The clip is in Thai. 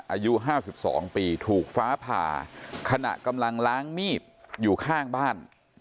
อายุ๕๒ปีถูกฟ้าผ่าขณะกำลังล้างมีดอยู่ข้างบ้าน